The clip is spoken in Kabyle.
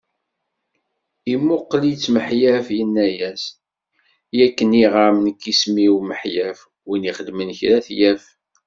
Imuqel-itt Miḥyaf yenna-as: Yak nniɣ-am nekk isem-iw Miḥyaf, win ixedmen kra ad t-yaf.